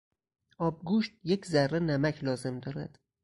آبگوشت یک ذره نمک لازم دارد.